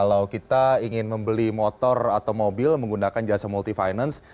kalau kita ingin membeli motor atau mobil menggunakan jasa multi finance